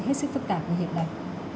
hết sức phức tạp như hiện nay